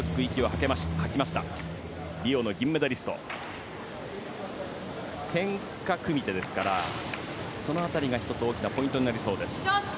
けんか組み手ですからその辺りが１つ大きなポイントになりそうです。